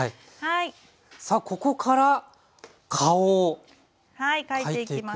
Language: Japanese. さあここから顔を描いていくんですね。